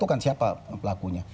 tentukan siapa pelakunya